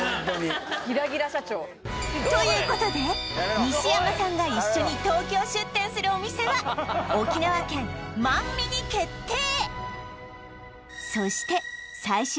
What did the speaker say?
ギラギラ社長ということで西山さんが一緒に東京出店するお店は沖縄県満味に決定